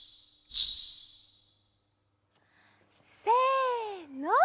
せの！